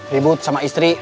ribut sama istri